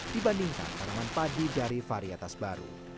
dibandingkan tanaman padi dari varietas baru